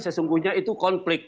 sesungguhnya itu konflik